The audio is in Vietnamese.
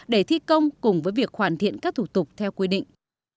để thi công cùng với việc hoàn thiện các thủ tục theo quy định